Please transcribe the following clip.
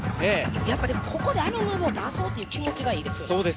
やっぱでも、ここであのムーブを出そうっていう気持ちがいいですよね。